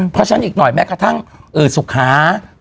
เพราะฉะนั้นอีกหน่อยแม้กระทั่งสุขา